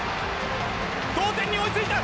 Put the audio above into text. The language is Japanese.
同点に追いついた。